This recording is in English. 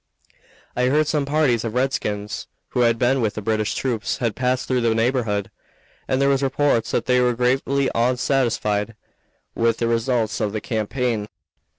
"I heard some parties of redskins who had been with the British troops had passed through the neighborhood, and there was reports that they were greatly onsatisfied with the results of the campaign.